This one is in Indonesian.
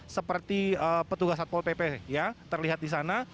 seperti petugas satpol pp ya terlihat di sana